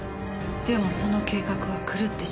でもその計画は狂ってしまった。